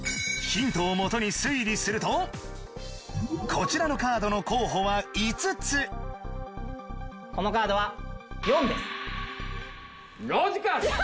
ヒントをもとに推理するとこちらのカードの候補は５つこのカードは４です。